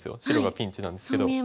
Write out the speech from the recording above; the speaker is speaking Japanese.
白がピンチなんですけど。